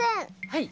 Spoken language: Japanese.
はい。